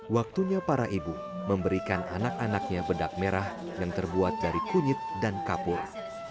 waktunya para ibu memberikan anak anaknya bedak merah yang terbuat dari kunyit dan kapur